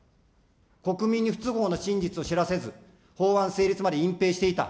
国民に不都合な真実を知らせず、法案成立まで隠ぺいしていた。